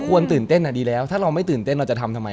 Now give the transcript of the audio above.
ตื่นเต้นดีแล้วถ้าเราไม่ตื่นเต้นเราจะทำทำไม